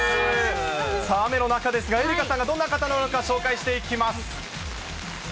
さあ雨の中ですが、愛花さんがどんな方なのか、紹介していきます。